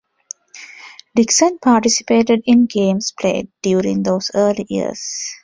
Dixon participated in games played during those early years.